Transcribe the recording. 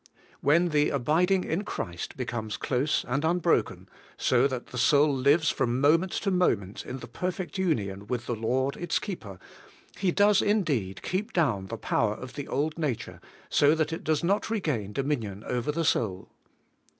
When the abiding in Christ becomes close and unbroken, so that the soul lives from moment to moment in the perfect union with the Lord its keeper, He does, indeed, keep down the power of the old nature, so that it does not regain dominion over the soul.